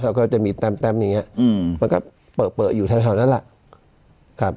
เขาก็จะมีแตมอย่างเงี้ยมันก็เปิดอยู่ทันเท่านั้นแหละ